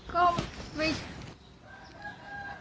ก็ไม่